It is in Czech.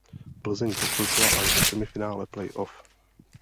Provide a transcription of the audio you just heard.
Plzeň postoupila až do semifinále playoff.